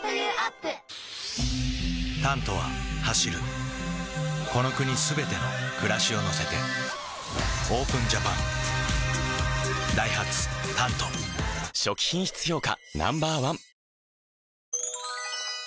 「タント」は走るこの国すべての暮らしを乗せてＯＰＥＮＪＡＰＡＮダイハツ「タント」初期品質評価